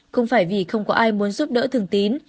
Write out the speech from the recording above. không phải vì không có ai muốn giúp đỡ thường tín